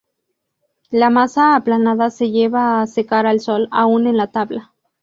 La masa aplanada se lleva a secar al sol, aún en la tabla.